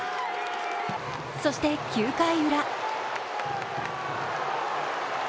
そして９回ウラ。